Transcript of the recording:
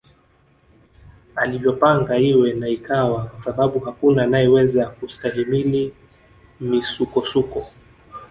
Alivyopanga iwe na ikawa kwasababu hakuna anayeweza kustahimili misukosuko